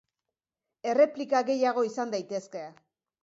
Erreplika gehiago izan daitezke.